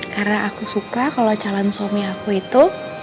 karena aku suka kalau calon suami aku itu